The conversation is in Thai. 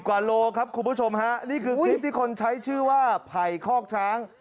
กว่าโลครับคุณผู้ชมฮะนี่คือคลิปที่คนใช้ชื่อว่าไผ่คอกช้าง